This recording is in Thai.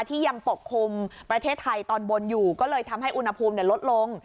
ที่ยังปกคลุมประเทศไทยตอนบนอยู่ก็เลยทำให้อุณหภูมิลดลง